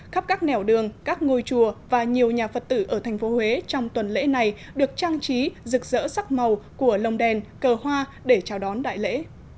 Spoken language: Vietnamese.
khắp các nẻo đường các ngôi chùa và nhiều nhà phật tử ở thành phố huế trong tuần lễ này được trang trí rực rỡ sắc màu của lồng đèn cờ hoa để chào đón đại lễ